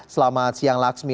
selamat siang laksmi